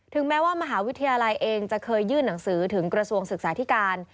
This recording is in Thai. แม้ว่ามหาวิทยาลัยเองจะเคยยื่นหนังสือถึงกระทรวงศึกษาธิการ